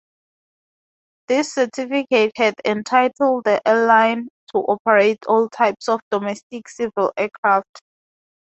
This Certificate had entitled the airline to operate all types of domestic civil aircraft.